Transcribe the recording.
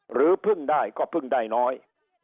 หรือเพิ่งได้ก็พึ่งได้น้อย